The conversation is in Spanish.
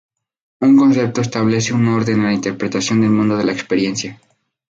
Un concepto establece un orden en la interpretación del mundo de la experiencia.